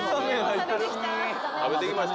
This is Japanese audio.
食べて来ました？